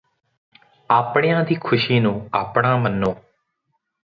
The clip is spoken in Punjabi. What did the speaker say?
ਆਪਣਿਆਂ ਦੀ ਖੁਸ਼ੀ ਨੂੰ ਆਪਣਾ ਮੰਨੋ